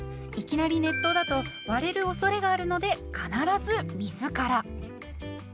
いきなり熱湯だと割れるおそれがあるので必ず水から。